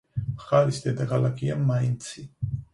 მხარის დედაქალაქია მაინცი.